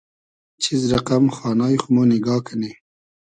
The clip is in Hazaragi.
چیز رئقئم خانای خو مۉ نیگا کئنی